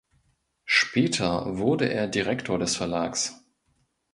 Später wurde er Direktor des Verlags.